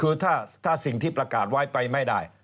คือถ้าสิ่งที่ประกาศไว้ไปไม่ได้